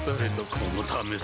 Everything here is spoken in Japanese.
このためさ